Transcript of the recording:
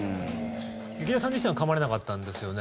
劇団さん自身はかまれなかったんですよね？